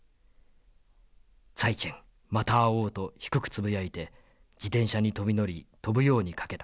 ツァイチェンまた会おうと低くつぶやいて自転車に飛び乗り飛ぶように駆けた。